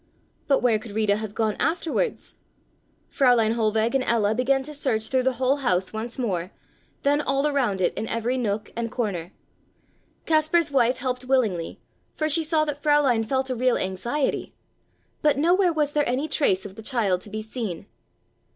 But where could Rita have gone afterwards? Fräulein Hohlweg and Ella began to search through the whole house once more, then all around it in every nook and corner. Kaspar's wife helped willingly for she saw that Fräulein felt a real anxiety; but nowhere was there any trace of the child to be seen.